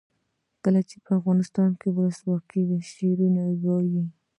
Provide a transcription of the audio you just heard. کله چې افغانستان کې ولسواکي وي شاعران شعر وايي.